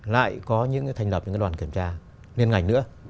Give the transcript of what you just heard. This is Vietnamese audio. lại có những cái thành lập những cái đoàn kiểm tra liên ngạch nữa